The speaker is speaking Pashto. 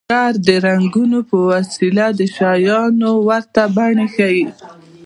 انځورګر د رنګونو په وسیله د شیانو ورته بڼې ښيي